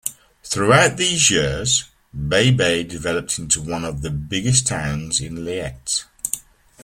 Throughout these years, Baybay developed into one of the biggest towns in Leyte.